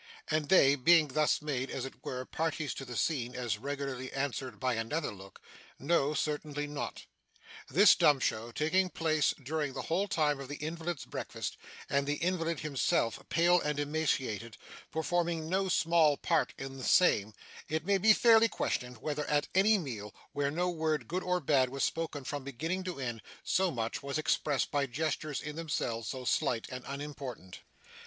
and they, being thus made, as it were, parties to the scene, as regularly answered by another look, 'No. Certainly not.' This dumb show, taking place during the whole time of the invalid's breakfast, and the invalid himself, pale and emaciated, performing no small part in the same, it may be fairly questioned whether at any meal, where no word, good or bad, was spoken from beginning to end, so much was expressed by gestures in themselves so slight and unimportant.